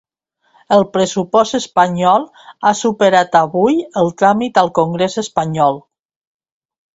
El pressupost espanyol ha superat avui el tràmit al congrés espanyol.